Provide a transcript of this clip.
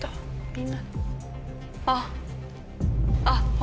あっ。